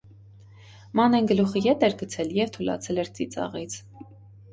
Մանեն գլուխը ետ էր գցել և թուլացել էր ծիծաղից: